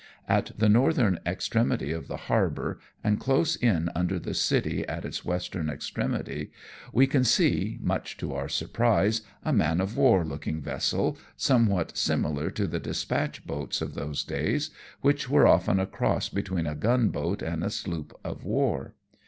At the northern extremity of the harbour, and close in under the city at its western extremity, we can see, much to our surprise, a man of war looking vessel, somewhat similar to the dispatch boats of those days, which were often a cross between a gunboat and a sloop of war.